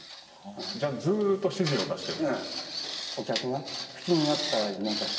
じゃあ、ずーっと指示を出している。